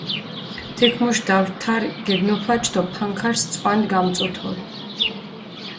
თიქ მუშ დავთარი გეგნოფაჩჷ დო ფანქარს წვანდი გამწუთოლჷ.